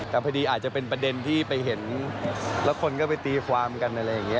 แต่พอดีอาจจะเป็นประเด็นที่ไปเห็นแล้วคนก็ไปตีความกันอะไรอย่างนี้